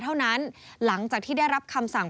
เท่านั้นหลังจากที่ได้รับคำสั่ง